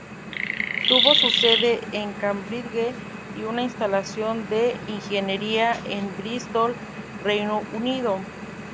Tuvo su sede en Cambridge y una instalación de ingeniería en Bristol, Reino Unido.